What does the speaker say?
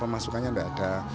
masukannya enggak ada